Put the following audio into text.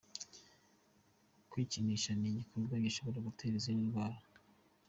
Kwikinisha ni igikorwa gishobora gutera izindi ndwara